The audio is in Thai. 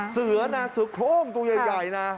เสือนะเสือโครงตัวใหญ่นะ